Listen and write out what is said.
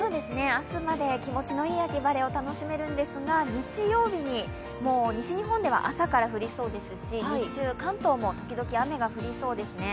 明日まで気持ちのいい秋晴れを楽しめるんですが日曜日に、西日本では朝から降りそうですし、日中、関東も時々、雨が降りそうですよね。